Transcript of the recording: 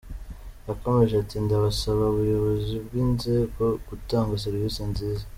Yakomeje ati “Ndabasa abayobozi b’ inzego gutanga serivise nziza.